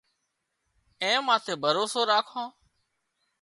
اين ماٿي ڀروسو راکان